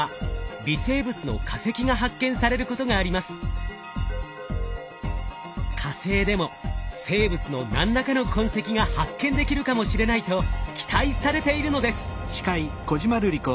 地球の場合火星でも生物の何らかの痕跡が発見できるかもしれないと期待されているのです。